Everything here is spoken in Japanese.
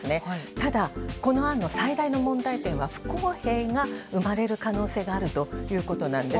ただ、この案の最大の問題点は不公平が生まれる可能性があるということなんです。